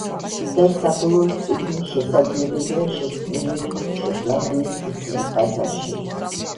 და საბოლოოდ წიგნი შესაძლებელია შექმნილი იყოს შოტლანდიის უცნობ ტაძარში.